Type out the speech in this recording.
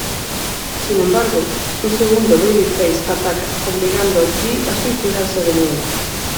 Sin embargo, un segundo Babyface ataca, obligando a Tree a suicidarse de nuevo.